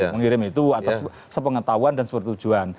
mengirim itu atas sepengetahuan dan sepertujuan